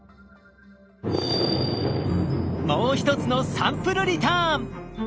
もう一つのサンプルリターン！